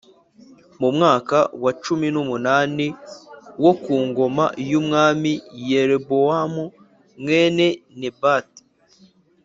Mu mwaka wa cumi n’umunani wo ku ngoma y’Umwami Yerobowamu mwene Nebati